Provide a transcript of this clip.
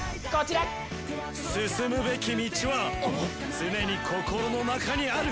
進むべき道は常に心の中にある。